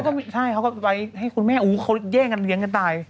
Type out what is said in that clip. ถ้าให้เขาก็ไปให้คุณแม่อุ๊ยเขาแย่งกันเหรียงกันตาย